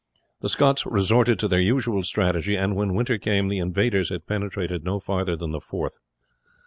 The Scots resorted to their usual strategy, and, when winter came, the invaders had penetrated no further than the Forth.